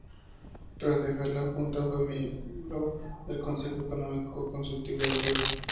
Tras dejar la junta fue miembro del consejo económico consultivo del club.